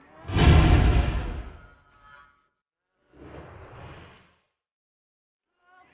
masih nggak sama sekali rp lima ratus ribu